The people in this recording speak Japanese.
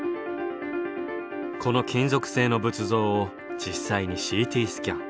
この金属製の仏像を実際にＣＴスキャン。